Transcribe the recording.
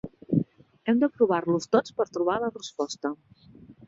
Hem de provar-los tots per trobar la resposta.